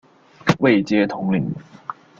位阶统领。